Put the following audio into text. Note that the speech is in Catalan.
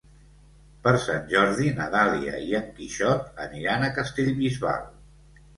Per Sant Jordi na Dàlia i en Quixot aniran a Castellbisbal.